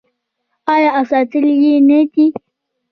آیا او ساتلی یې نه دی؟